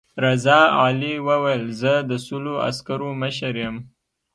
رضا علي وویل زه د سلو عسکرو مشر یم.